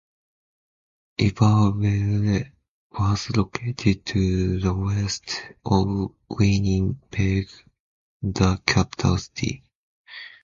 Iberville was located to the west of Winnipeg, the capital city.